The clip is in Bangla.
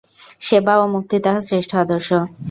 সেবা ও মুক্তি তাহার শ্রেষ্ঠ আদর্শ।